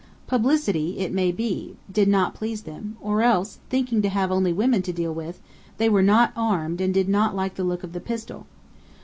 Publicity, it may be, did not please them: or else, thinking to have only women to deal with, they were not armed and did not like the look of the pistol.